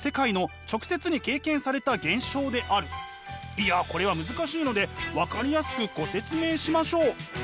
いやこれは難しいので分かりやすくご説明しましょう。